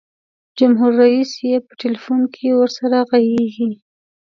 جمهور رئیس یې په ټلفون کې ورسره ږغیږي.